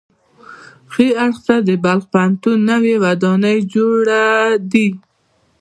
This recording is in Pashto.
ښي اړخ ته د بلخ پوهنتون نوې ودانۍ جوړې دي.